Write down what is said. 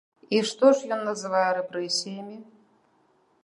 І што ж ён называе рэпрэсіямі?